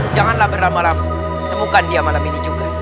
janganlah berlama lama temukan dia malam ini juga